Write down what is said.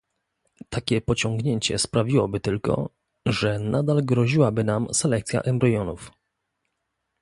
Takie pociągnięcie sprawiłoby tylko, że nadal groziłaby nam selekcja embrionów